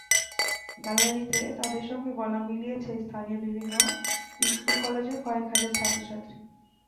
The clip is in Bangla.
গ্যালারিতে তাঁদের সঙ্গে গলা মিলিয়েছে স্থানীয় বিভিন্ন স্কুল-কলেজের কয়েক হাজার ছাত্রছাত্রী।